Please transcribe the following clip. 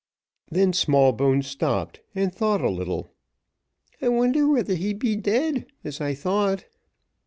Then Smallbones stopped, and thought a little. "I wonder whether he bee'd dead, as I thought.